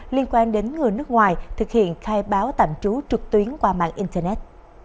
liên quan đến người nước ngoài thực hiện khai báo tạm trú trực tuyến qua mạng internet